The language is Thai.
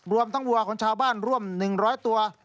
รวมทั้งวัวของชาวบ้านร่วม๑๐๐ตัว